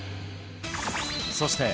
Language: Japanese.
そして